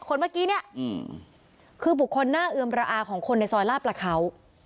คนเมื่อกี้เนี่ยคือบุคคลน่าเอือมระอาของคนในซอยลาดประเขา